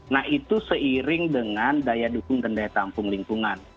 nah itu seiring dengan daya dukung dan daya tampung lingkungan